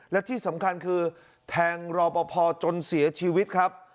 และที่สำคัญคือแทงรอปภจนเสียชีวิตครับ